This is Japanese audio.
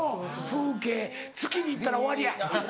風景月に行ったら終わりや。